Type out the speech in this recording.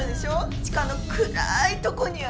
地下の暗いとこにある。